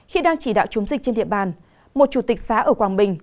khi đang chỉ đạo chống dịch trên địa bàn một chủ tịch xã ở quảng bình